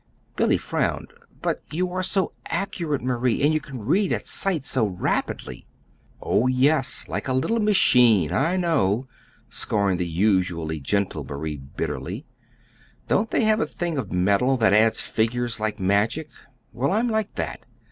Billy frowned. "But you are so accurate, Marie, and you can read at sight so rapidly!" "Oh, yes, like a little machine, I know!" scorned the usually gentle Marie, bitterly. "Don't they have a thing of metal that adds figures like magic? Well, I'm like that.